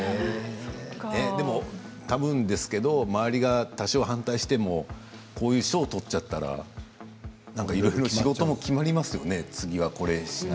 多分ですけど周りが多少反対してもこういう賞を取ってしまったらいろいろ仕事も決まりますよね。